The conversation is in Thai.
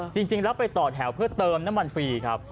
จริงแล้วไปต่อแถวเพื่อเติมน้ำมันฟรีครับ